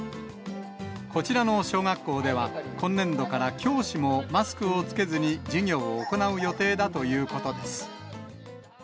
こちらの小学校では、今年度から教師もマスクを着けずに授業を行う予定だということです。